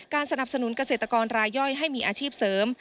สนับสนุนเกษตรกรรายย่อยให้มีอาชีพเสริม